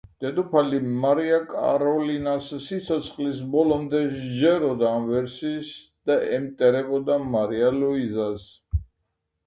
დედოფალ მარია კაროლინას სიცოცხლის ბოლომდე სჯეროდა ამ ვერსიის და ემტერებოდა მარია ლუიზას.